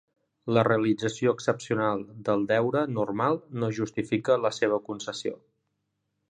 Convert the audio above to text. La realització excepcional del deure normal no justifica la seva concessió.